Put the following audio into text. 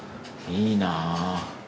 いいなぁ。